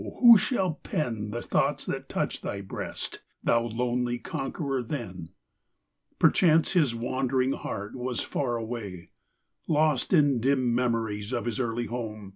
who shall pen The thoughts that toucht thy breast, thou lonely conqueror, then ? XXIX. Perchance his wandering heart was far away, Lost in dim memories of his early home.